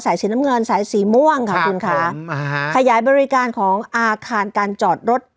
สายสีน้ำเงินสายสีม่วงค่ะคุณค่ะครับผมอ่าฮะขยายบริการของอาคารการจอดรถ